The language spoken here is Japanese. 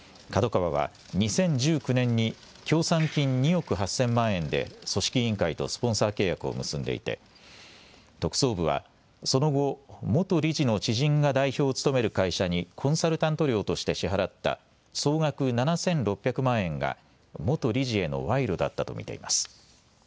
ＫＡＤＯＫＡＷＡは２０１９年に協賛金２億８０００万円で組織委員会とスポンサー契約を結んでいて特捜部はその後、元理事の知人が代表を務める会社にコンサルタント料として支払った総額７６００万円が元理事への賄賂だったと見ています。